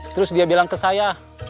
terus dia bilang ke saya